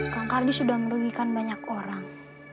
kang kardi sudah merugikan banyak orang